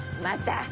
また！